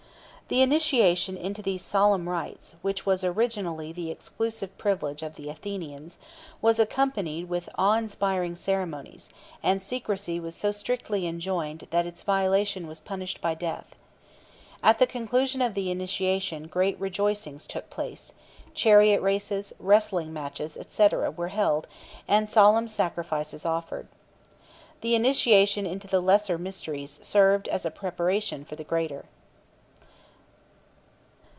The initiation into these solemn rites (which was originally the exclusive privilege of the Athenians) was accompanied with awe inspiring ceremonies; and secrecy was so strictly enjoined that its violation was punished by death. At the conclusion of the initiation great rejoicings took place, chariot races, wrestling matches, &c., were held, and solemn sacrifices offered. The initiation into the Lesser Mysteries served as a preparation for the Greater.